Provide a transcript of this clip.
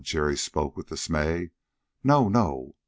Jerry spoke with dismay. "No, no!"